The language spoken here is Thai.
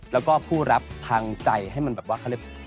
แล้วก็ผู้รับทางใจให้มันแบบว่าเขาเรียก